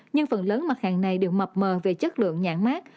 nhưng phần lớn mặt hàng này đều mập mờ về chất lượng nhãn mát